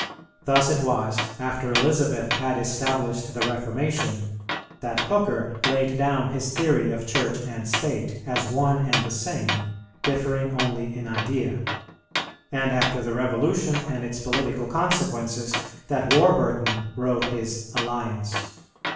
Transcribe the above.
Thus it was after Elizabeth had established the Reformation that Hooker laid down his theory of Church and State as one and the same, differing only in idea; and, after the Revolution and its political consequences, that Warburton wrote his "Alliance."